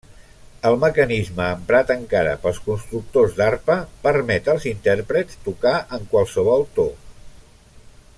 El mecanisme, emprat encara ara pels constructors d'arpa, permet als intèrprets tocar en qualsevol to.